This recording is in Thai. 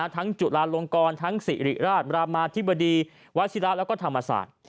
จุลาลงกรทั้งสิริราชบรามาธิบดีวัชิระแล้วก็ธรรมศาสตร์